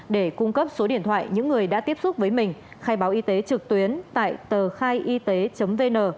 để cung cấp số điện thoại những người đã tiếp xúc với mình khai báo y tế trực tuyến tại tờkhaiyt vn